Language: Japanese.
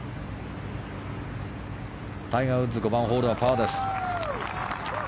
タイガー・ウッズ５番ホールはパーです。